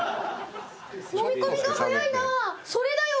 のみ込みが早いなそれだよ